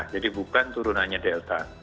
jadi bukan turunannya delta